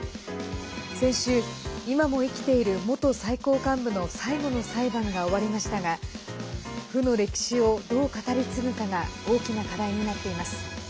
先週、今も生きている元最高幹部の最後の裁判が終わりましたが負の歴史をどう語り継ぐかが大きな課題になっています。